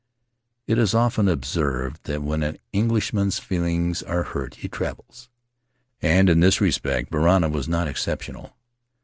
"It is often observed that when an Englishman's feelings are hurt he travels, and in this respect Varana was not exceptional.